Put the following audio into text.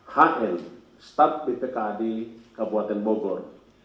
hl stad bpkad kabupaten bogor